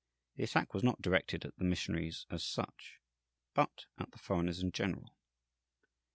The attack was not directed at the missionaries as such, but at the foreigners in general.